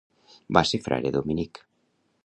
Va ser frare dominic.